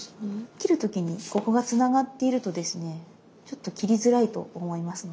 切る時にここがつながっているとですねちょっと切りづらいと思いますので。